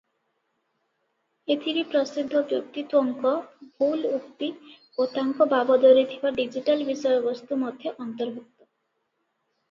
ଏଥିରେ ପ୍ରସିଦ୍ଧ ବ୍ୟକ୍ତିତ୍ୱଙ୍କ ଭୁଲ ଉକ୍ତି ଓ ତାଙ୍କ ବାବଦରେ ଥିବା ଡିଜିଟାଲ ବିଷୟବସ୍ତୁ ମଧ୍ୟ ଅନ୍ତର୍ଭୁକ୍ତ ।